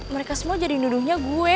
mereka semua jadi nuduhnya gue